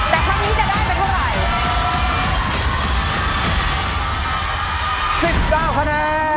แต่ครั้งนี้จะได้ไปเท่าไหร่